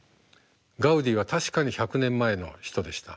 ガウディは確かに１００年前の人でした。